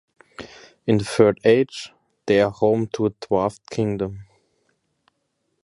In the Third Age, they are home to a Dwarf kingdom.